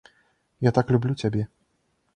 Я так люблю цябе!